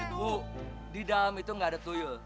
ibu di dalam itu tidak ada tuyul